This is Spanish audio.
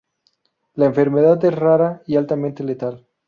La enfermedad es rara y altamente letal.